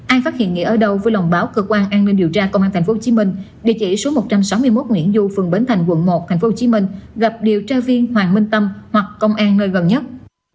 ai phát hiện nghĩa ở đâu với lòng báo cơ quan an ninh điều tra công an tp hcm địa chỉ số một trăm sáu mươi một nguyễn du phường bến thành quận một tp hcm gặp điều tra viên hoàng minh tâm hoặc công an nơi gần nhất